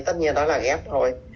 tất nhiên đó là ghép thôi